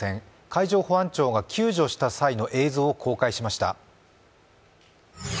海上保安庁が救助した際の映像を公開しました。